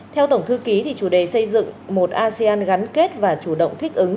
theo tổng thư ký chủ đề xây dựng một asean gắn kết và chủ động thích ứng